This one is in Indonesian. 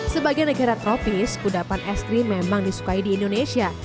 sebagai negara tropis kudapan es krim memang disukai di indonesia